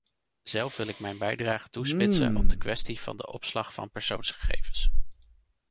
Zelf wil ik mijn bijdrage toespitsen op de kwestie van de opslag van persoonsgegevens.